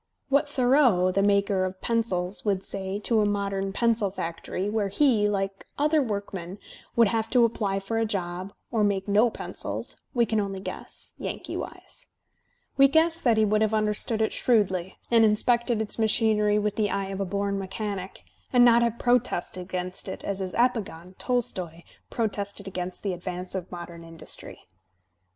What Thoreau, the maker of pencils, would say to a modem pendl factoiy Digitized by Google 178 THE SPIRIT OP AMERICAN LITERATURE where he, like other workmen, would have to apply for a job, or make no pencils, we can only guess, Yankee wise. We guess that he would have understood it shrewdly and inspected its machinery with the eye of a bom mechanic, and not have protested against it as his epigone, Tolstoy, protested against the advance of modem industry.